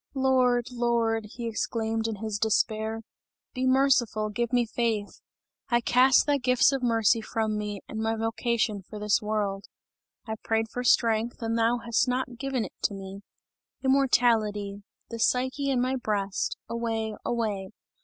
"Lord! Lord!" he exclaimed in his despair, "be merciful, give me faith! I cast thy gifts of mercy from me and my vocation for this world! I prayed for strength and thou hast not given it to me. Immortality! The Psyche in my breast away! away!